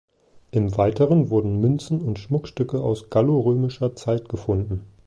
Im Weiteren wurden Münzen und Schmuckstücke aus gallorömischer Zeit gefunden.